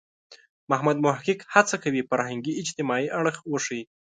محمد محق هڅه کوي فرهنګي – اجتماعي اړخ وښيي.